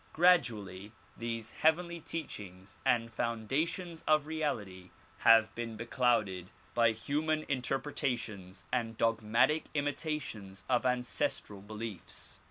Gradually these heavenly teachings and foundations of reality have been be clouded by human interpretations and dogmatic imitations of ancestral beliefs.